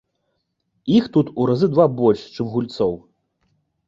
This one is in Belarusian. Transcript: Іх тут у разы два больш, чым гульцоў!